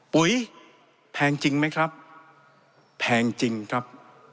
ปุ๋ยแพงจริงไหมครับแพงจริงครับ